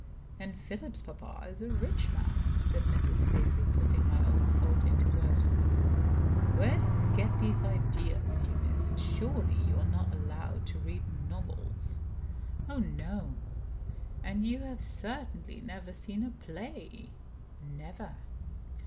"And Philip's papa is a rich man," says Mrs. Staveley, putting my own thought into words for me. "Where do you get these ideas, Eunice? Surely, you are not allowed to read novels?" "Oh no!" "And you have certainly never seen a play?" "Never."